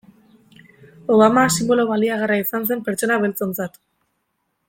Obama sinbolo baliagarria izan zen pertsona beltzontzat.